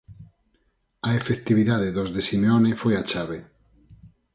A efectividade dos de Simeone foi a chave.